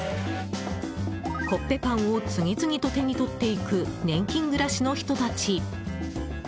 コッペパンを次々と手に取っていく年金暮らしの人たち。